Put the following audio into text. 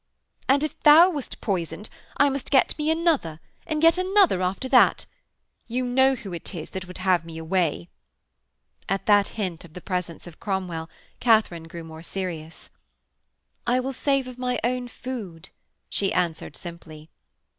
'And if thou wast poisoned, I must get me another, and yet another after that. You know who it is that would have me away.' At that hint of the presence of Cromwell, Katharine grew more serious. 'I will save of my own food,' she answered simply.